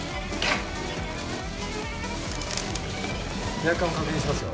脈管を確認しますよ。